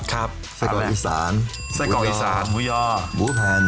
ใช้กอกอิสานมูยอเม็ดไทปัน